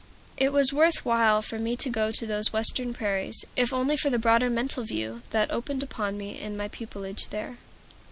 It was worth while for me to go to those Western prairies, if only for the broader mental view that opened upon me in my pupilage there.